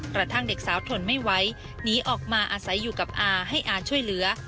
กระทั่งเด็กสาวทนไม่ไหวหนีออกมาอาศัยอยู่กับอาให้อาช่วยเหลือ